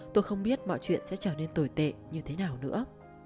tôi không biết mọi chuyện sẽ trở nên tồi tệ như thế nào nữa